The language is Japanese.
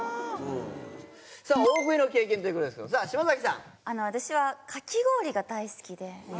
大食いの経験ということですけどさぁ島崎さん。